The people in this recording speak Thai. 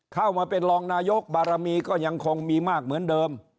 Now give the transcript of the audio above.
เข้ามาเป็นรองนายกบารมีก็ยังคงมีมากเหมือนเดิม